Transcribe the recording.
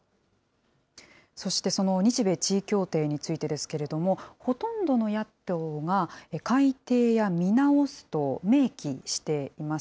そしてその日米地位協定についてですけれども、ほとんどの野党が、改定や見直すと明記しています。